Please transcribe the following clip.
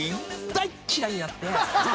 大嫌いやって。